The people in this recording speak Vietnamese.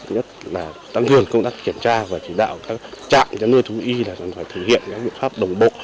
nhất là tăng thường công tác kiểm tra và kỷ đạo các trạng cho nuôi thú y là chúng tôi phải thể hiện các biện pháp đồng bộ